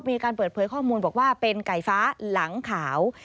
มีการเปิดเผยข้อมูลบอกว่าเป็นไก่ฟ้าหลังขาว